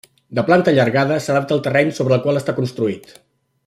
De planta allargada, s'adapta al terreny sobre el qual està construït.